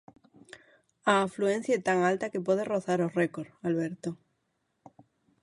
A afluencia é tan alta que pode rozar o récord, Alberto.